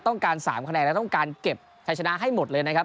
ต้องการ๓คะแนนและต้องการเก็บใช้ชนะให้หมดเลยนะครับ